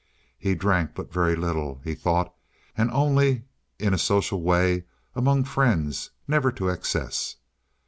He drank but very little, he thought, and only, in a social way, among friends; never to excess.